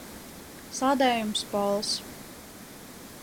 Saldējums Pols.